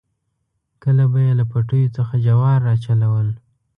کله به یې له پټیو څخه جوار راچلول.